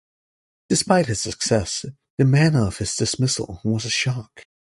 Despite his success, the manner of his dismissal was a shock.